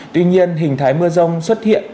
tuy nhiên hình thái mưa rông xuất hiện